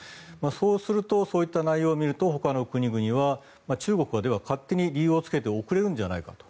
そうするとそういった内容を見るとほかの国々は中国は、では勝手に理由をつけて送れるんじゃないかと。